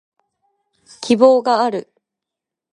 希望がある